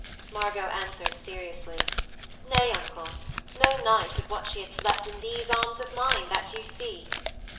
Margot answered seriously: 'Nay, uncle, no night but what she hath slept in these arms of mine that you see.'